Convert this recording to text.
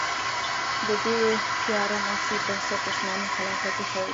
د دې تیاره مسیر بنسټ عثماني خلافت ایښی و.